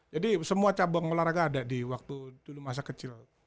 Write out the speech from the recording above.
jadi semua cabang olahraga ada di waktu dulu masa kecil